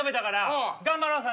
頑張ろう！